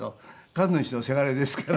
神主のせがれですから。